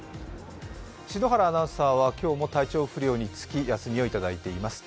篠原アナウンサーは今日も体調不良につき、休みをいただいています。